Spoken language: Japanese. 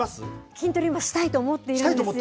筋トレはしたいと思ってるんですよ。